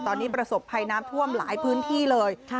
ตอนนี้ประสบภัยน้ำท่วมหลายพื้นที่เลย